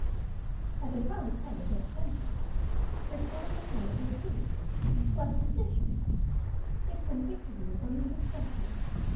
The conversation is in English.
I could hardly credit my senses. Her tone was one of reproof, plus decision. It convicted me of an indiscretion.